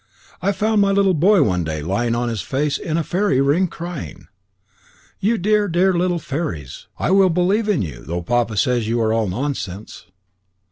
I found my little boy one day lying on his face in a fairy ring, crying: 'You dear, dear little fairies, I will believe in you, though papa says you are all nonsense.'